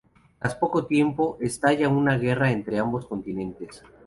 Tras poco tiempo, estalla una guerra entre ambos continentes.